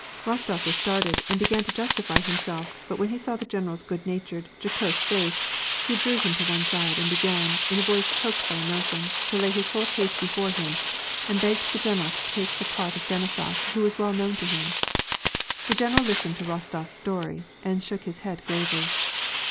Rostof was startled, and began to justify himself, but when he saw the general's good natured, jocose face, he drew him to one side, and began, in a voice choked by emotion, to lay his // x 1 IS War and psacb. whole cade before him, and begged the general to take the part of Denisof, who was well known to him. The general listened to Kostof s story and shook his head gravely.